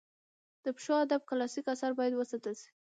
د پښتو ادب کلاسیک آثار باید وساتل سي.